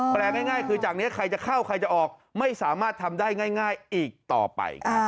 แปลง่ายคือจากนี้ใครจะเข้าใครจะออกไม่สามารถทำได้ง่ายอีกต่อไป